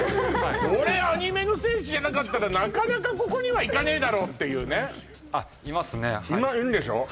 これアニメの聖地じゃなかったらなかなかここには行かねえだろっていうねあっいますねはいはいいるでしょ？